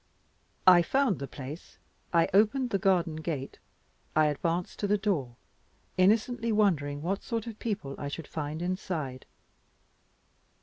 I found the place; I opened the garden gate; I advanced to the door, innocently wondering what sort of people I should find inside.